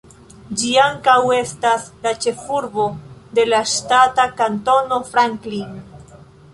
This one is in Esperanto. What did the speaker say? Ĝi ankaŭ estas la ĉefurbo de la ŝtata Kantono Franklin.